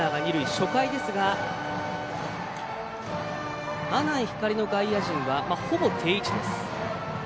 初回ですが、阿南光の外野陣はほぼ定位置です。